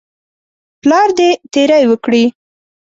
پلار دې تیری وکړي.